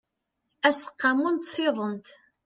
aseqqamu n tsiḍent